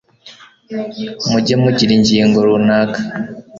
mujye mugira ingingo runaka